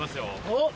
おっ！